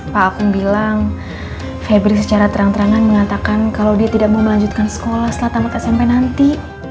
pak akung bilang febri secara terang terangan mengatakan kalau dia tidak mau melanjutkan sekolah selatamat smp nanti